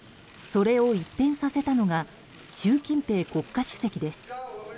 それを一変させたのが習近平国家主席です。